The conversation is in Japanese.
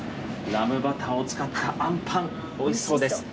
ラムバターを使ったあんパン、おいしそうです。